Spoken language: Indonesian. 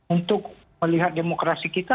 untuk melihat demokrasi kita